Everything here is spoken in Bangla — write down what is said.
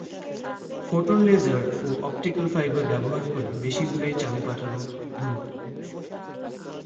ফোটন লেসার ও অপটিকাল ফাইবার ব্যবহার করে বেশি দূরে চাবি পাঠানো দুরূহ।